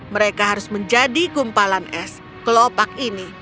mereka harus menjadi kumpalan es kelopak ini